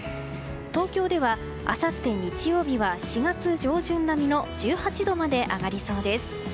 東京ではあさって日曜日は４月上旬並みの１８度まで上がりそうです。